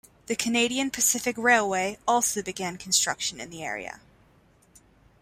The Canadian Pacific Railway also began construction in the area.